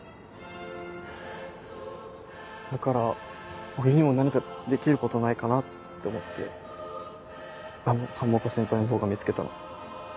だから俺にも何かできることないかなって思ってあの浜岡先輩の動画見つけたの。